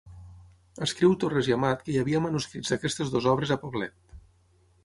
Escriu Torres i Amat que hi havia manuscrits d'aquestes dues obres a Poblet.